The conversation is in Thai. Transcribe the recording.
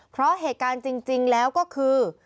เพราะเหตุการณ์จริงแล้วก็คือ